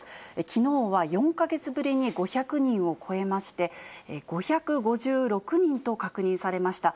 きのうは４か月ぶりに５００人を超えまして、５５６人と確認されました。